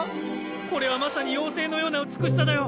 これはまさに妖精のような美しさだよ！